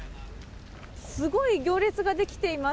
すごい行列が出来ています。